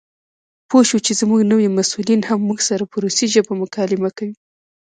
پوه شوو چې زموږ نوي مسؤلین هم موږ سره په روسي ژبه مکالمه کوي.